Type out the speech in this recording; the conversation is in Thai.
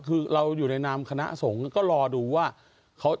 คือเราอยู่ในนามคณะสงฆ์ก็รอดูว่า